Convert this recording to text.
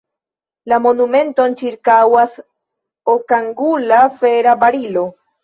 La monumenton ĉirkaŭas okangula, fera barilo.